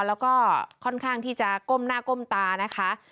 แล้วก็ค่อนข้างที่จะก้มหน้าก้มตานะคะ